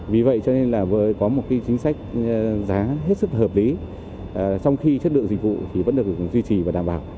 vì vậy cho nên là có một cái chính sách giá hết sức hợp lý trong khi chất lượng dịch vụ thì vẫn được duy trì và đảm bảo